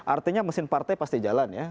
artinya mesin partai pasti jalan ya